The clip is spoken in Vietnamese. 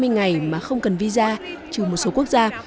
hai mươi ngày mà không cần visa trừ một số quốc gia